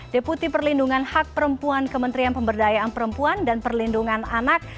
deputi perlindungan hak perempuan kementerian pemberdayaan perempuan dan perlindungan anak